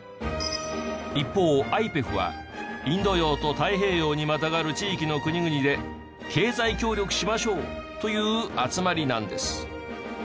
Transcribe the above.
一方ＩＰＥＦはインド洋と太平洋にまたがる地域の国々で経済協力しましょうという集まりなんです。